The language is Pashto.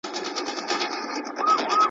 تاسي تل په خوشحاله ذهن سره ژوند کوئ.